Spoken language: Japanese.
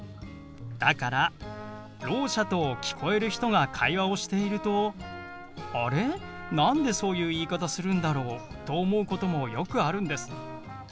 だからろう者と聞こえる人が会話をしていると「あれ？何でそういう言い方するんだろう？」と思うこともよくあるんです。